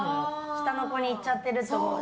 下の子にいっちゃってると思って。